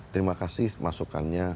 terima kasih masukkannya